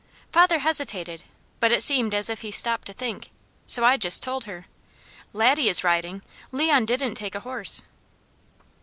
Father hesitated, but it seemed as if he stopped to think, so I just told her: "Laddie is riding. Leon didn't take a horse."